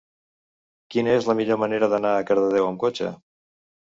Quina és la millor manera d'anar a Cardedeu amb cotxe?